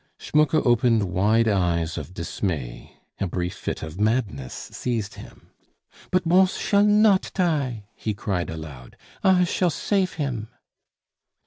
Schmucke opened wide eyes of dismay. A brief fit of madness seized him. "But Bons shall not tie!..." he cried aloud. "I shall safe him!"